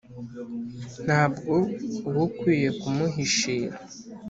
ntabwo uba ukwiye kumuhishira